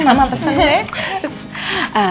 mama pesen deh